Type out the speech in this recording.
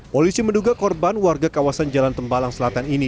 polisi menduga korban warga kawasan jalan tembalang selatan ini